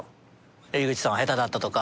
井口さん下手だったとか。